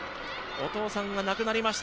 お父さんが亡くなりました